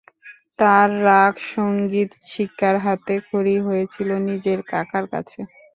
তাঁর রাগ সঙ্গীত-শিক্ষার হাতে খড়ি হয়েছিল নিজের কাকার কাছে।